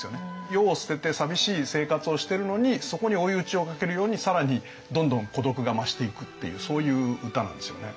世を捨てて寂しい生活をしてるのにそこに追い打ちをかけるように更にどんどん孤独が増していくっていうそういう歌なんですよね。